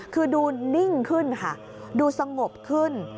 คือดูนิ่งขึ้นค่ะดูสงบขึ้น